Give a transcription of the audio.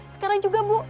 sekarang juga bu